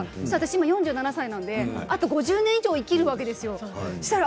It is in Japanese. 私今４７歳なのであと５０年以上生きるわけですよ。